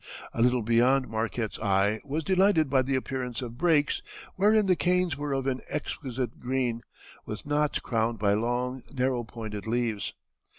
A little beyond, Marquette's eye was delighted by the appearance of breaks, wherein the canes were of an exquisite green, with knots crowned by long, narrow pointed leaves.